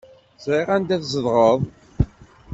Ẓriɣ anda ay tzedɣeḍ.